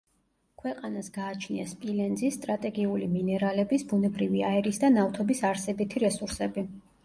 ქვეყანას გააჩნია სპილენძის, სტრატეგიული მინერალების, ბუნებრივი აირის და ნავთობის არსებითი რესურსები.